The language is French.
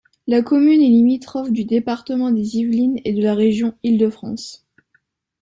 La commune est limitrophe du département des Yvelines et de la région Île-de-France.